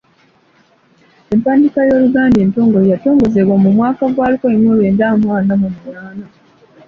Empandiika y’Oluganda entongole yatongozebwa mu mwaka gwa lukumi mu lwenda ana mu munaana.